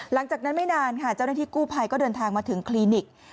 หลังจากนั้นไม่นานค่ะเจ้าหน้าที่กู้ภัยก็เดินทางมาถึงคลินิก